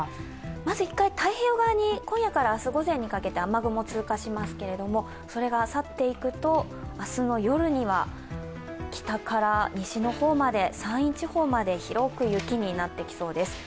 まず１回、太平洋側に今夜から明日にかけて雨雲が通過しますがそれが去っていくと、明日の夜には北から西の方まで山陰地方まで広く雪になってきそうです。